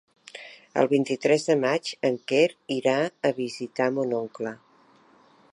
El vint-i-tres de maig en Quer irà a visitar mon oncle.